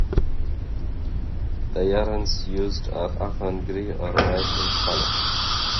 The yarns used are often grey or white in color.